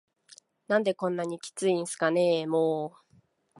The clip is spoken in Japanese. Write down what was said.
「何でこんなキツいんすかねぇ～も～…」